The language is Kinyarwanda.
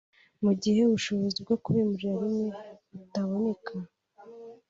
mu gihe ubushobozi bwo kubimurira rimwe butaboneka